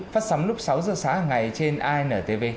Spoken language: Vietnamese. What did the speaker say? phát sóng lúc sáu giờ sáng hàng ngày trên intv